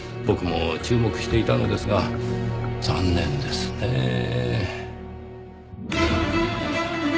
僕も注目していたのですが残念ですねぇ。